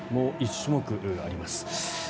もう１種目あります。